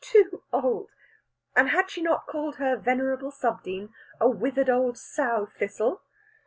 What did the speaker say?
Too old! And had she not called her venerable sub dean a withered old sow thistle?